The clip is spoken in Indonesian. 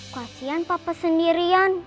kasian papa sendirian